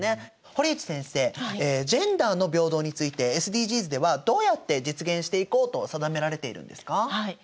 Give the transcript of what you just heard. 堀内先生ジェンダーの平等についてＳＤＧｓではどうやって実現していこうと定められているんですか？